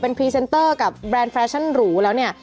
พรีเซนเตอร์กับแบรนด์แฟชั่นหรูแล้วเนี่ย